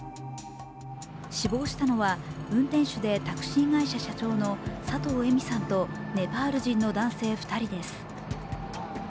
死亡したのは、運転手でタクシー会社社長の佐藤恵美さんとネパール人の男性２人です。